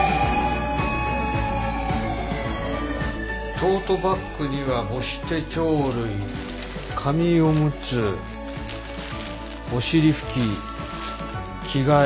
トートバッグには母子手帳類紙オムツお尻拭き着替え。